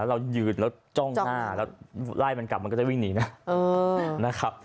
สังเกต